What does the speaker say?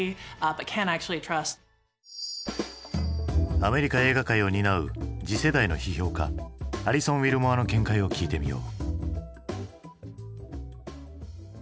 アメリカ映画界を担う次世代の批評家アリソン・ウィルモアの見解を聞いてみよう。